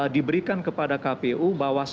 diberikan kepada kpu bahwa